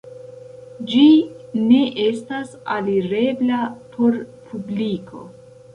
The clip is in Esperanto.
Ĝi ne estas alirebla por publiko.